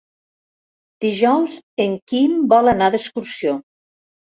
Dijous en Quim vol anar d'excursió.